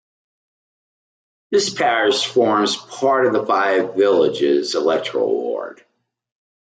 This parish forms part of the Five Villages electoral ward.